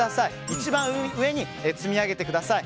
一番上に積み上げてください。